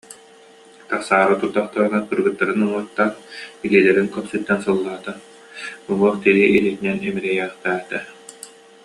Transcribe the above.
Тахсаары турдахтарына кыргыттарын ыҥыртаан, илиилэрин көхсүттэн сыллаата, уҥуох тирии илиитинэн имэрийээхтээтэ